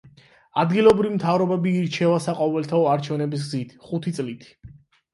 ადგილობრივი მთავრობები ირჩევა საყოველთაო არჩევნების გზით, ხუთი წლით.